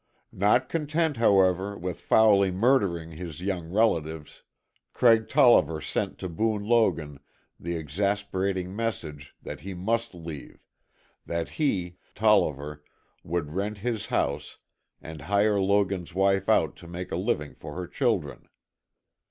Not content, however, with foully murdering his young relatives, Craig Tolliver sent to Boone Logan the exasperating message that he must leave, that he, Tolliver, would rent his house, and hire Logan's wife out to make a living for her children.